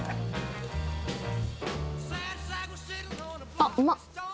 あっうまっ。